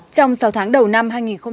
trong sáu tháng đầu năm hai nghìn một mươi sáu